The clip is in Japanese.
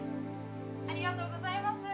「ありがとうございます」